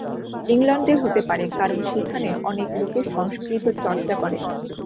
ইংলণ্ডে হতে পারে, কারণ সেখানে অনেক লোকে সংস্কৃত চর্চা করে।